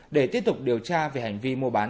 để tiếp tục điều tra về hành vi mua bán